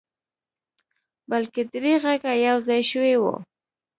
بلکې درې غږه يو ځای شوي وو.